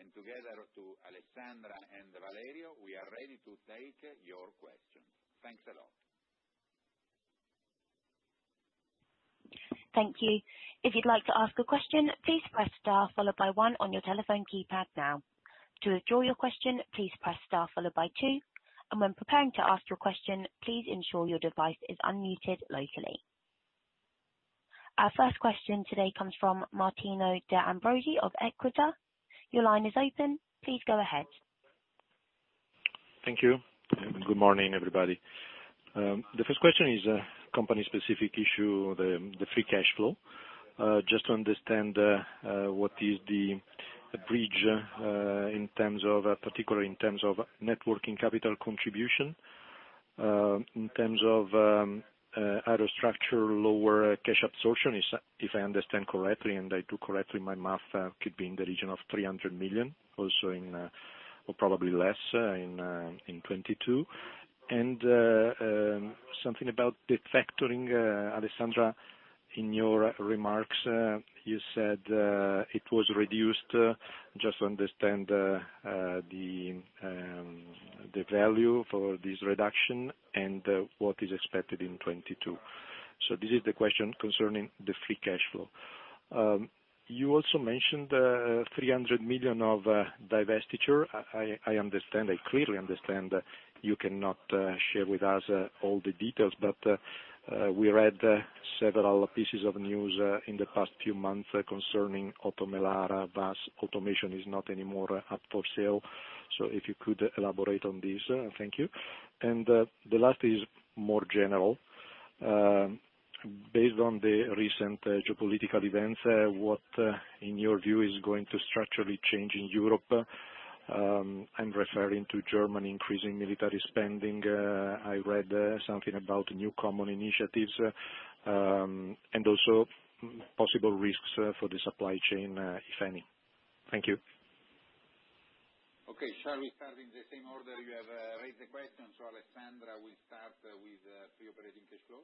and together to Alessandra and Valerio, we are ready to take your questions. Thanks a lot. Thank you. If you'd like to ask a question, please press star followed by one on your telephone keypad now. To withdraw your question, please press star followed by two. When preparing to ask your question, please ensure your device is unmuted locally. Our first question today comes from Martino de Ambroggi of Equita. Your line is open. Please go ahead. Thank you. Good morning, everybody. The first question is a company specific issue, the free cash flow. Just to understand what is the bridge in terms of, particularly in terms of net working capital contribution, in terms of Aerostructures lower cash absorption. If I understand correctly, and I do correctly my math, could be in the region of 300 million also in, or probably less, in 2022. Something about the factoring, Alessandra, in your remarks, you said it was reduced. Just to understand the value for this reduction and what is expected in 2022. This is the question concerning the free cash flow. You also mentioned 300 million of divestiture. I clearly understand you cannot share with us all the details, but we read several pieces of news in the past few months concerning Oto Melara. BUS Automation is not anymore up for sale. If you could elaborate on this. Thank you. The last is more general. Based on the recent geopolitical events, what in your view is going to structurally change in Europe? I'm referring to German increasing military spending. I read something about new common initiatives, and also possible risks for the supply chain, if any. Thank you. Okay. Shall we start in the same order you have raised the question? Alessandra, we start with free operating cash flow.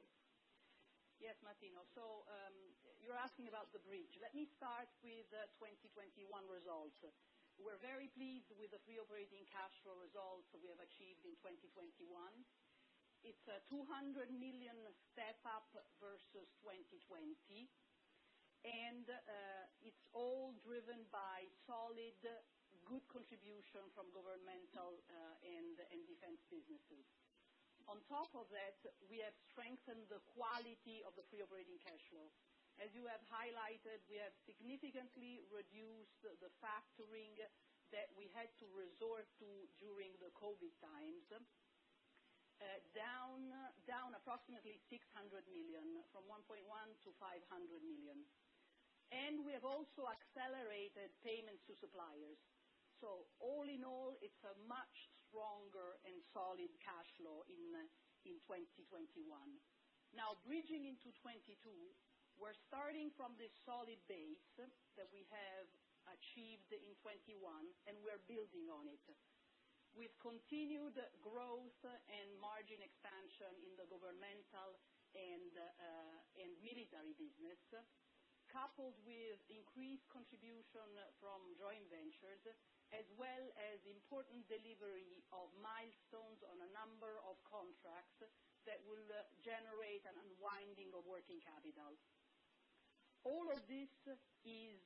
Yes, Martino. You're asking about the bridge. Let me start with the 2021 results. We're very pleased with the free operating cash flow results we have achieved in 2021. It's a 200 million step up versus 2020, and it's all driven by solid good contribution from governmental and defense businesses. On top of that, we have strengthened the quality of the free operating cash flow. As you have highlighted, we have significantly reduced the factoring that we had to resort to during the COVID times, down approximately 600 million from 1.1 billion to 500 million. We have also accelerated payments to suppliers. All in all, it's a much stronger and solid cash flow in 2021. Now bridging into 2022, we're starting from this solid base that we have achieved in 2021, and we're building on it. With continued growth and margin expansion in the governmental and military business, coupled with increased contribution from joint ventures, as well as important delivery of milestones on a number of contracts that will generate an unwinding of working capital. All of this is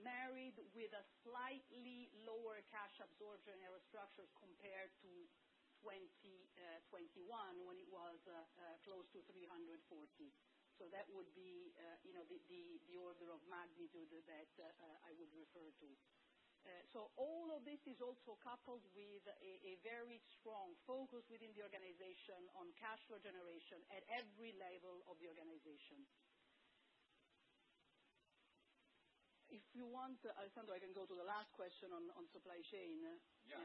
married with a slightly lower cash absorption Aerostructures compared to 2021, when it was close to 340. That would be, you know, the order of magnitude that I would refer to. All of this is also coupled with a very strong focus within the organization on cash flow generation at every level of the organization. If you want, Alessandro, I can go to the last question on supply chain. Yeah.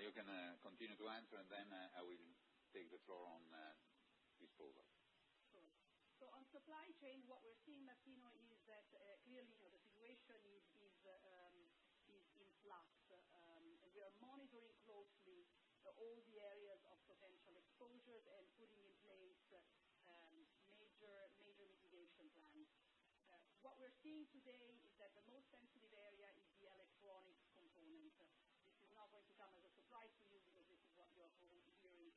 You can continue to answer, and then I will take the floor on disposal. Sure. On supply chain, what we're seeing, Martino, is that, clearly, you know, the situation is in flux. We are monitoring closely all the areas of potential exposures and putting in place major mitigation plans. What we're seeing today is that the most sensitive area is the electronics component. This is not going to come as a surprise to you because this is what you are all hearing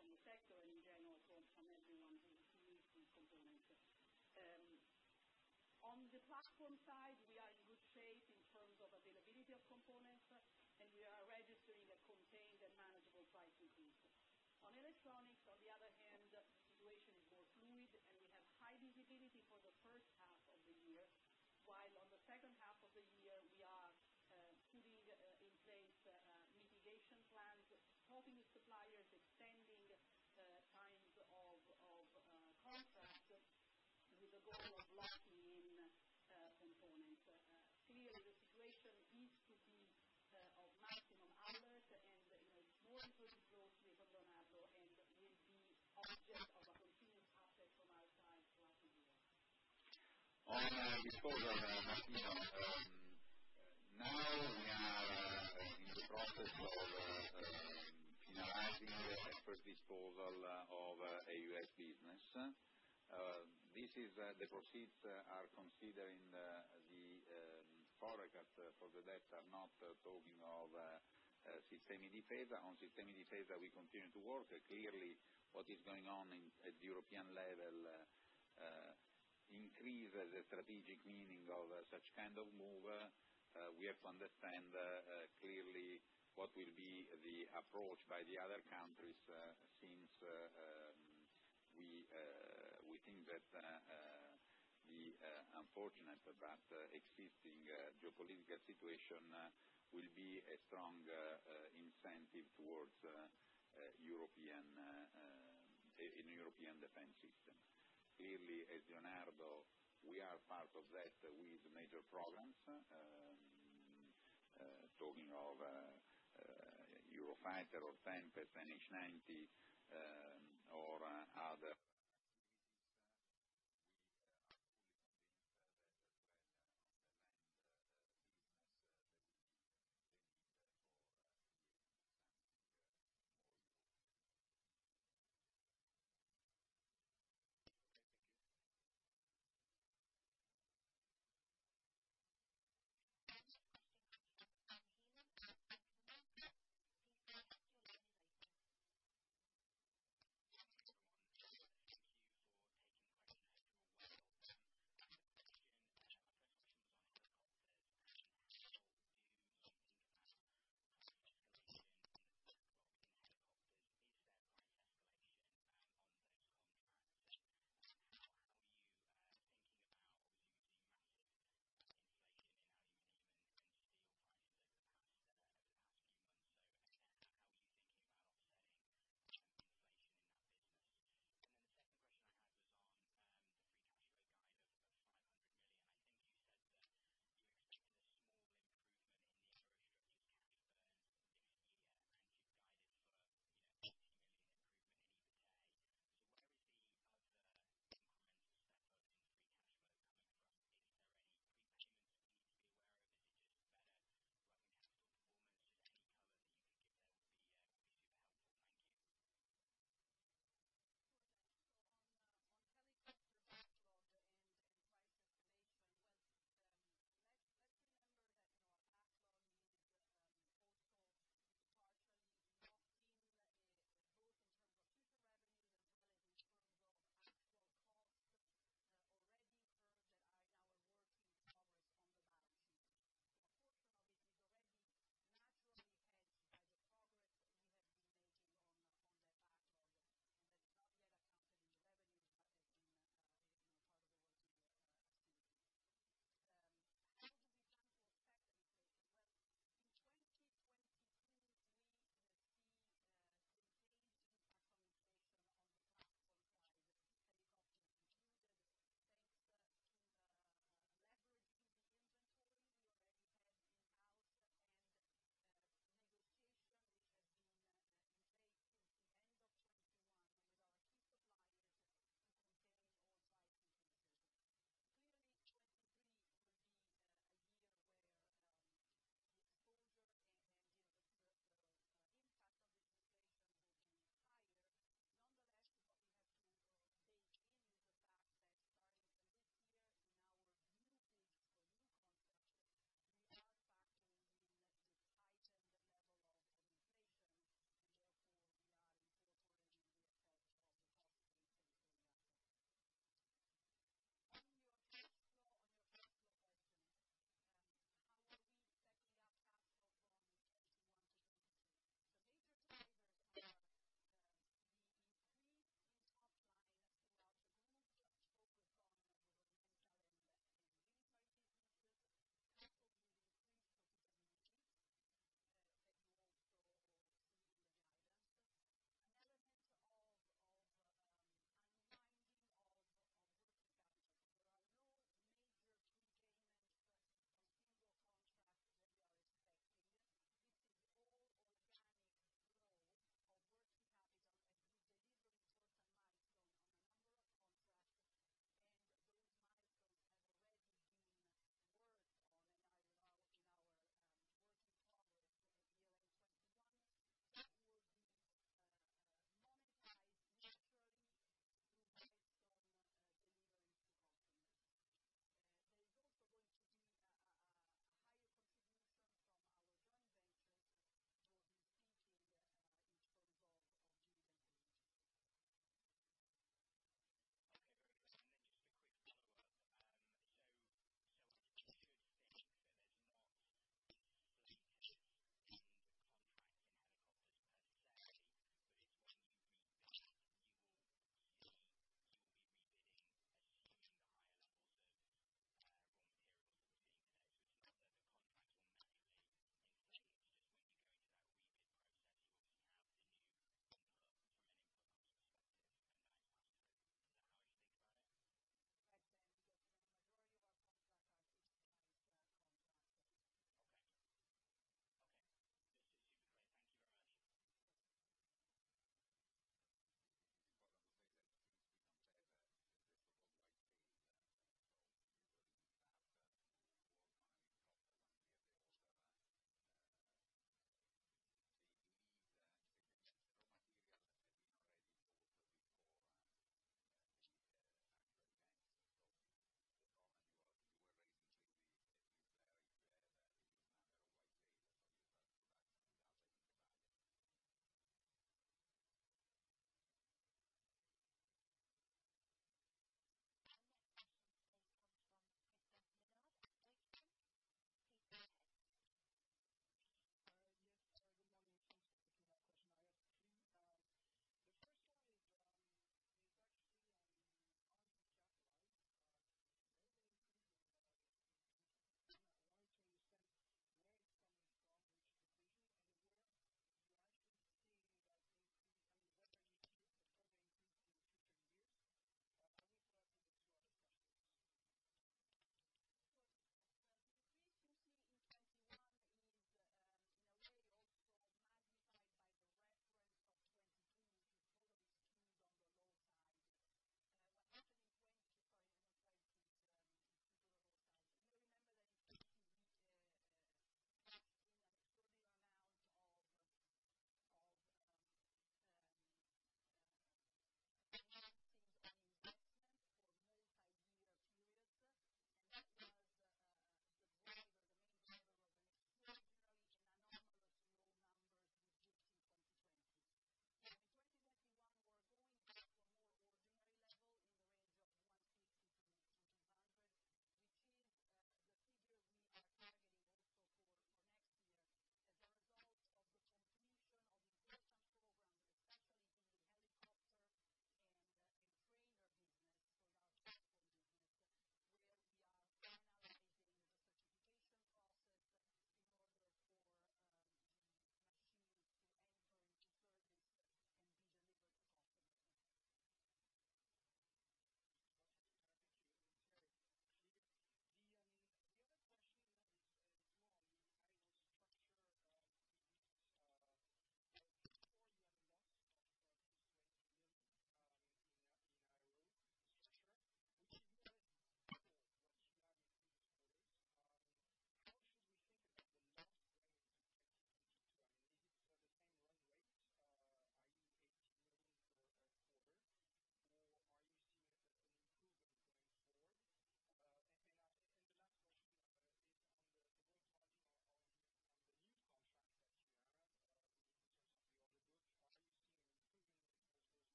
from the sector in general, from everyone who use these components. On the platform side, we are in good shape in terms of availability of components, and we are registering a contained and manageable price increase. On electronics, on the other hand, the situation is more fluid, and we have high visibility for the first half of the year. While on the second half of the year, we are putting in place mitigation plans, talking with suppliers, extending times of contract with the goal of locking in components. Clearly, the situation needs to be of maximum alert and, you know, it's being treated closely at Leonardo and will be object of a continuous update from our side throughout the year. On disposal, Martino, now we are in the process of finalizing the first disposal of the Automation business. This is, the proceeds are considered in the forecast for the debt. I'm not talking of Systems Defence. On System Defence, we continue to work. Clearly, what is going on at the European level increases the strategic meaning of such kind of move. We have to understand clearly what will be the approach by the other countries, since we think that the unfortunate but existing geopolitical situation will be a strong incentive towards a new European defense system.